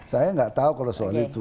saya nggak tahu kalau soal itu